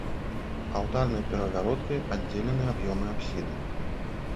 Алтарнай перагародкай аддзелены аб'ёмы апсіды.